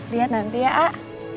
lihat nanti ya ah